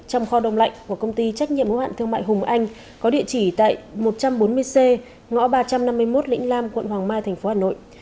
trong kho đông lạnh của công ty trách nhiệm hữu hạn thương mại hùng anh có địa chỉ tại một trăm bốn mươi c ngõ ba trăm năm mươi một lĩnh lam quận hoàng mai thành phố hà nội